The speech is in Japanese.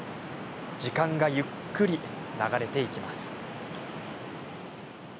時間がゆっくり流れていきます。